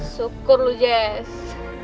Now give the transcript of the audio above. syukur lo jas